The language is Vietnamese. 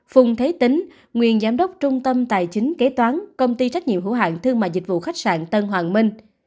phùng thế tính nguyên giám đốc trung tâm tài chính kế toán công ty trách nhiệm hữu hạng thương mại dịch vụ khách sạn tân hoàng minh